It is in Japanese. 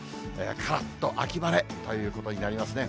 からっと秋晴れということになりますね。